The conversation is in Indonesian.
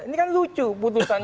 ini kan lucu